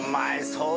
そう！